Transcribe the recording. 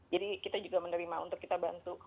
jadi kita juga menerima untuk kita bantu